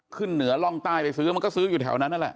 ขึ้นเหนือร่องใต้ไปซื้อมันก็ซื้ออยู่แถวนั้นนั่นแหละ